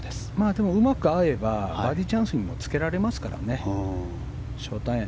でもうまく合えばバーディーチャンスにつけられますから。